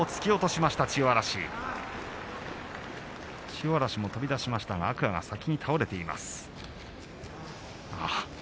千代嵐も飛び出しましたが天空海が先に倒れています。